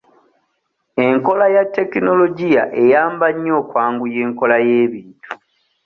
Enkola ya tekinologiya eyamba nnyo okwanguya enkola y'ebintu.